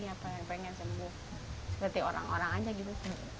iya pengen sembuh seperti orang orang aja gitu